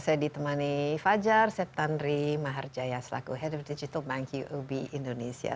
saya ditemani fajar seth tandri maher jaya selaku head of digital bank uub indonesia